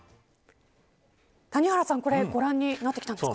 谷原さん、これご覧になってきたんですか。